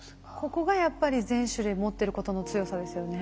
ここがやっぱり全種類持ってることの強さですよね。